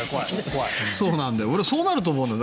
俺そうなると思うんだよね。